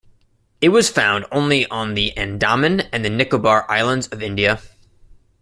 It is found only on the Andaman and the Nicobar islands of India.